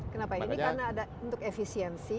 kenapa ini karena ada untuk efisiensi